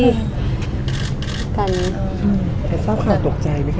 แต่เจ้าข่าวตกใจไหมคะคุณแม่